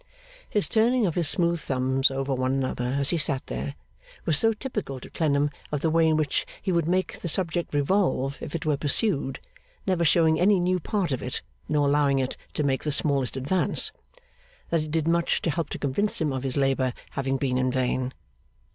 His turning of his smooth thumbs over one another as he sat there, was so typical to Clennam of the way in which he would make the subject revolve if it were pursued, never showing any new part of it nor allowing it to make the smallest advance, that it did much to help to convince him of his labour having been in vain.